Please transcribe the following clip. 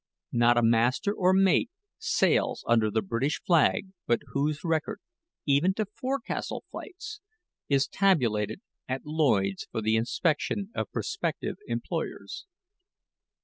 Not a master or mate sails under the English flag but whose record, even to forecastle fights, is tabulated at Lloyds for the inspection of prospective employers.